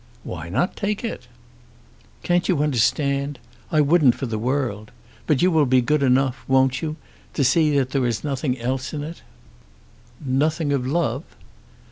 "Why not take it?" "Can't you understand? I wouldn't for the world. But you will be good enough, won't you, to see that there is nothing else in it?" "Nothing of love?"